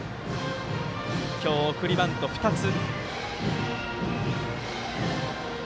今日、送りバント２つ。